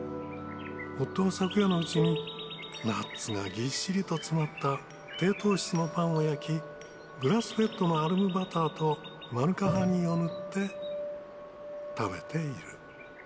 夫は昨夜のうちに、ナッツがぎっしりと詰まった低糖質のパンを焼き、グラスフェッドのアルムバターとマヌカハニーを塗って食べている。